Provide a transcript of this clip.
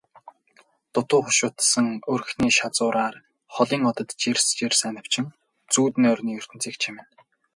Дутуу хошуулдсан өрхний шазуураар холын одод жирс жирс анивчин зүүд нойрны ертөнцийг чимнэ.